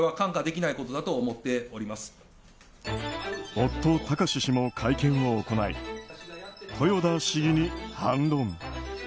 夫・貴志氏も会見を行い豊田市議に反論。